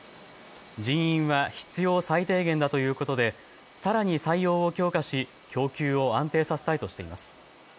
人員は必要最低限だということでさらに採用を強化し供給を安定させたいとしています。